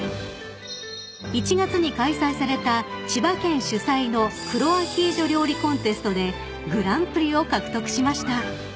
［１月に開催された千葉県主催の黒アヒージョ料理コンテストでグランプリを獲得しました］